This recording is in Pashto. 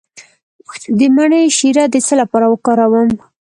د مڼې شیره د څه لپاره وکاروم؟